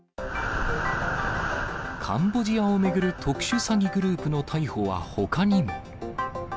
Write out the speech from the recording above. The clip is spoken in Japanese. カンボジアを巡る特殊詐欺グループの逮捕はほかにも。